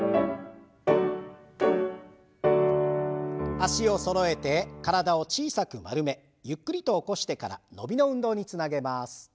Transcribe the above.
脚をそろえて体を小さく丸めゆっくりと起こしてから伸びの運動につなげます。